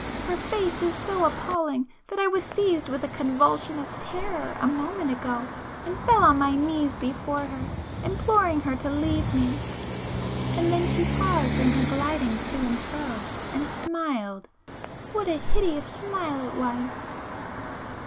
Her face is so appalling that I was seized with a convulsion of terror a moment ago and fell on my knees before her imploring her to leave me,—and then she paused in her gliding to and fro and—smiled! What a hideous smile it was!